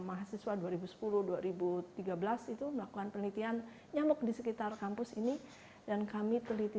mahasiswa dua ribu sepuluh dua ribu tiga belas itu melakukan penelitian nyamuk di sekitar kampus ini dan kami teliti